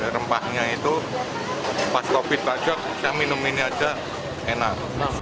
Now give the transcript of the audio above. rempahnya itu pas covid bajak saya minum ini aja enak